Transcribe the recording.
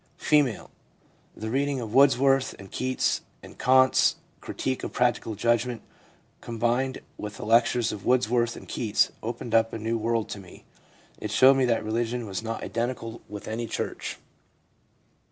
F. ' The reading of Wordsworth and Keats, and Kant's Critique of Practical Judgment, combined with lectures on Wordsworth and Keats, opened up a new world to me. It showed me that religion was not identical with any church.